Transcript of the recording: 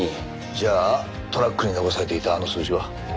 じゃあトラックに残されていたあの数字は？